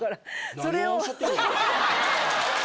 それを。